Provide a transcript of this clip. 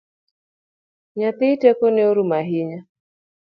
Nyathi tekone orumo ahinya